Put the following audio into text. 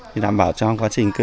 thì đảm bảo trong quá trình cơ hội